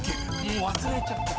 もう忘れちゃった。